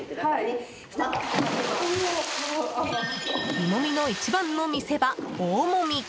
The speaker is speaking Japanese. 湯もみの一番の見せ場大もみ。